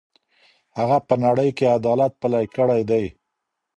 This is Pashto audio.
هغه په نړۍ کې عدالت پلی کړی دی.